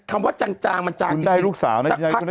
คำว่าจางจางมันจางคุณได้ลูกสาวน่ะคุณได้ลูกสาวน่ะ